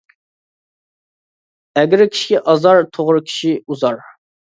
ئەگرى كىشى ئازار، توغرا كىشى ئۇزار.